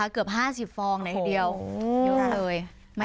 แล้วก็เกือบ๕๐ฟองในทีเดียวยกเลย